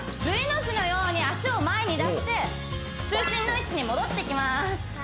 Ｖの字のように足を前に出して中心の位置に戻ってきます